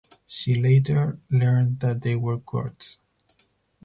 She later learned that they were Kurds.